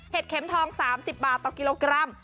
เข็มทอง๓๐บาทต่อกิโลกรัม